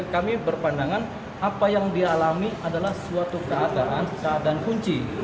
kami berpandangan apa yang dia alami adalah suatu keadaan keadaan kunci